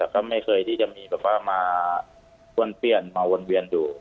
ก็ไม่เคยที่จะมีแบบว่ามาป้วนเปลี่ยนมาวนเวียนอยู่